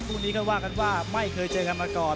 คู่นี้ก็ว่ากันว่าไม่เคยเจอกันมาก่อน